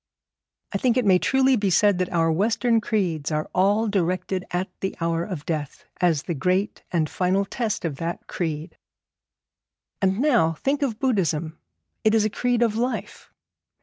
I think it may truly be said that our Western creeds are all directed at the hour of death, as the great and final test of that creed. And now think of Buddhism; it is a creed of life.